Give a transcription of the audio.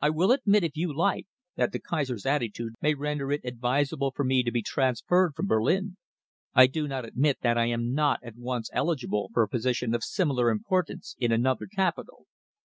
I will admit, if you like, that the Kaiser's attitude may render it advisable for me to be transferred from Berlin. I do not admit that I am not at once eligible for a position of similar importance in another capital."